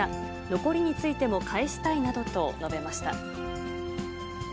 残りについても返したいなどと述べました。